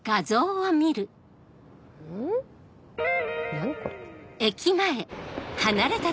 何これ。